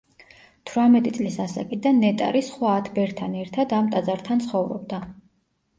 თვრამეტი წლის ასაკიდან ნეტარი სხვა ათ ბერთან ერთად ამ ტაძართან ცხოვრობდა.